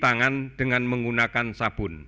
yang mereka harus berusaha untuk mengumumkan